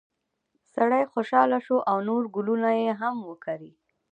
سړی خوشحاله شو او نور ګلونه یې هم وکري.